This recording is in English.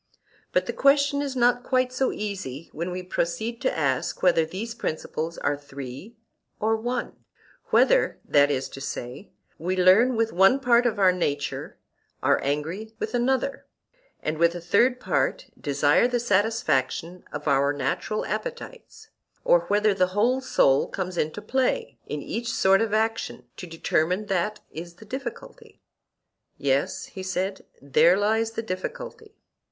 But the question is not quite so easy when we proceed to ask whether these principles are three or one; whether, that is to say, we learn with one part of our nature, are angry with another, and with a third part desire the satisfaction of our natural appetites; or whether the whole soul comes into play in each sort of action—to determine that is the difficulty. Yes, he said; there lies the difficulty.